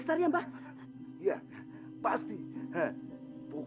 dari ibu pak